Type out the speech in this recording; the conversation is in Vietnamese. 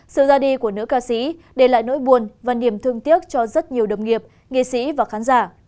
sự ra đi của nữ ca sĩ để lại nỗi buồn và niềm thương tiếc cho rất nhiều đồng nghiệp nghệ sĩ và khán giả